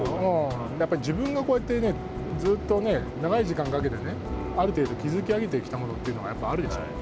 やっぱり自分がこうやってずっと長い時間かけてある程度築きあげてきたものってあるでしょう。